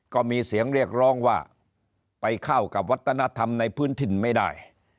ก็มีเสียงเรียกร้องว่าไปเข้ากับวัฒนธรรมในพื้นถิ่นไม่ได้